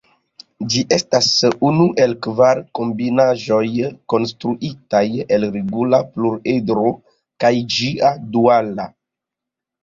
Ĝi estas unu el kvar kombinaĵoj konstruitaj el regula pluredro kaj ĝia duala.